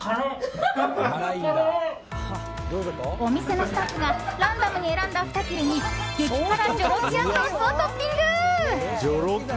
お店のスタッフがランダムに選んだ２切れに激辛ジョロキアソースをトッピング！